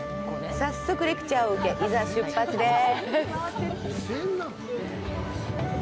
早速レクチャーを受けいざ、出発です！